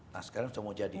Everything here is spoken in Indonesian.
nah sekarang sudah mau jadi